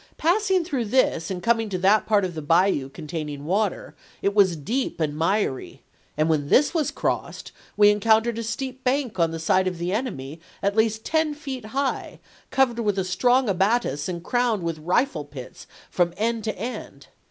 Passing through this and coming to that part of the bayou contain ing water, it was deep and miry, and when this was crossed we encountered a steep bank on the side of the enemy, at least ten feet high, covered with a strong abatis and crowned with rifle pits from end to end.